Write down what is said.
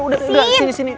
udah udah sini sini